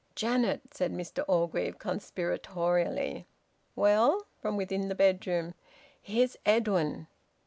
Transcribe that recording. "Janet," said Mr Orgreave conspiratorially. "Well?" from within the bedroom. "Here's Edwin."